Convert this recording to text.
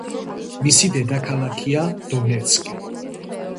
მისი დედაქალაქია დონეცკი.